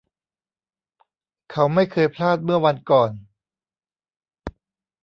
เขาไม่เคยพลาดเมื่อวันก่อน